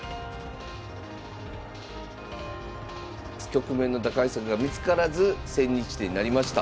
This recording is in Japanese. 局面の打開策が見つからず千日手になりました。